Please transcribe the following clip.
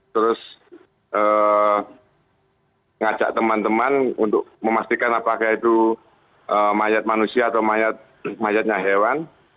terus ngajak teman teman untuk memastikan apakah itu mayat manusia atau mayatnya hewan